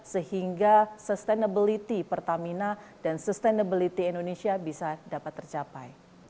sehingga sustainability pertamina dan sustainability indonesia bisa dapat tercapai